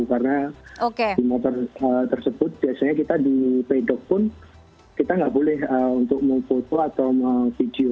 karena di motor tersebut biasanya kita di pedok pun kita nggak boleh untuk memfoto atau memvideo